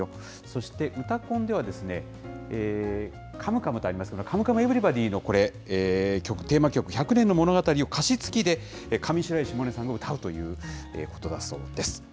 そしてうたコンでは、カムカムとありますが、カムカムエヴリバディのこれテーマ曲、１００年の物語を、歌詞付きで上白石萌音さんが歌うということです。